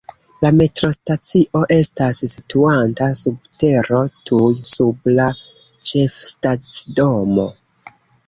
La metrostacio estas situanta sub tero, tuj sub la ĉefstacidomo.